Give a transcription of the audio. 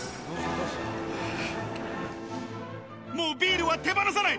もうビールは手放さない。